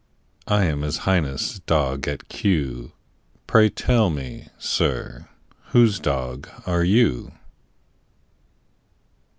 I am His Highness' dog at Kew; Pray tell me, sir, whose dog are you?